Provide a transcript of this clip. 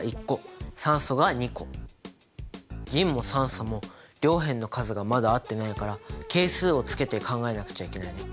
銀も酸素も両辺の数がまだ合ってないから係数をつけて考えなくちゃいけないね。